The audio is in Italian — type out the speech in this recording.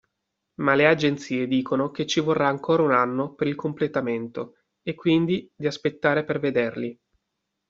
Ma le agenzie dicono che ci vorrà ancora un anno per il completamento e quindi di aspettare per venderli.